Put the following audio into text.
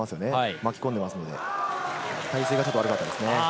巻き込んでいますので体勢がちょっと悪かったですね。